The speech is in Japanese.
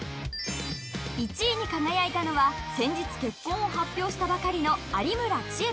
１位に輝いたのは先日結婚を発表したばかりの有村智恵